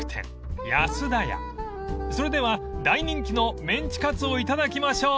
［それでは大人気のメンチカツをいただきましょう］